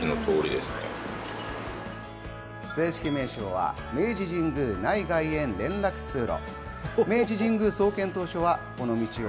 正式名称は、明治神宮内外苑連絡通路。